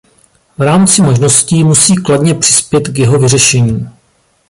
V rámci možností musí kladně přispět k jeho vyřešení.